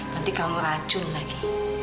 nanti kamu racun lagi